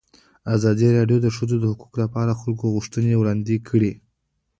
ازادي راډیو د د ښځو حقونه لپاره د خلکو غوښتنې وړاندې کړي.